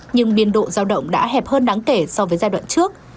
nhưng biên độ giao động đã hẹp hơn đáng kể so với giai đoạn trước